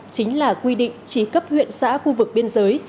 chính là quy định chỉ cấp huyện xã khu vực biên giới